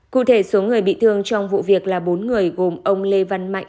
cụ thể số người bị thương trong vụ việc là bốn người gồm ông lê văn mạnh